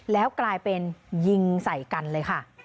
แล้วกลายเป็นยิงใส่กันเลยค่ะ